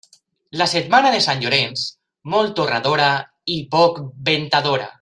La setmana de Sant Llorenç, molt torradora i poc ventadora.